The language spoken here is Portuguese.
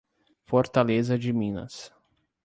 Fortaleza de Minas